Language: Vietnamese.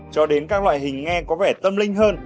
cho đến các loại hình nghe có vẻ tâm linh hơn